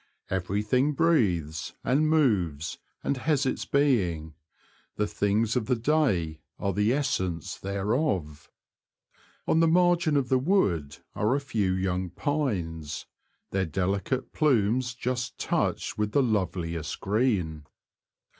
Everything breathes, and moves, and has its being ; the things of the day are the essence thereof. On the margin of the wood are a few young pines, their deli cate plumes just touched with the loveliest green.